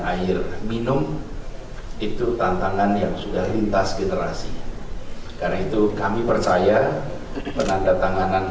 air minum itu tantangan yang sudah lintas generasi karena itu kami percaya penanda tanganan